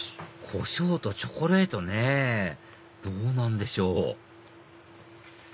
こしょうとチョコレートねぇどうなんでしょう？